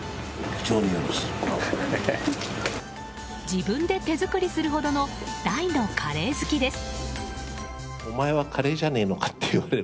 自分で手作りするほどの大のカレー好きです。